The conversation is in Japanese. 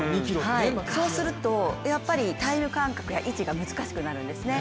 そうすると、やっぱりタイム感覚や位置が難しくなるんですね。